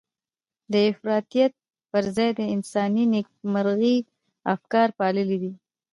د افراطيت پر ځای د انساني نېکمرغۍ افکار پاللي دي.